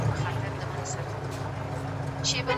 د سرطان درملنه باید په اسانۍ ترسره شي.